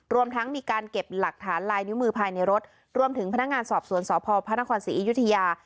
รวมทั้งมีการเก็บหลักฐานลายนิ้วมือภายในรถรวมถึงพนักงานสอบสวนสพพระนครศรีอยุธยา